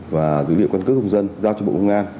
và dữ liệu căn cước công dân giao cho bộ công an